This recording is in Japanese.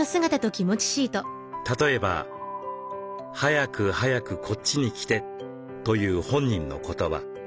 例えば「早く早くこっちに来て」という本人の言葉。